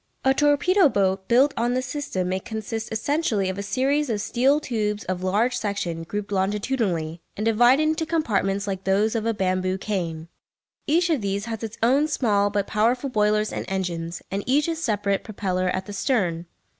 A torpedo boat built on this system may consist essentially of a series of steel tubes of large section grouped longitudinally, and divided into compartments like those of a bamboo cane. Each of these has its own small but powerful boilers and engines, and each its separate propeller at the stern.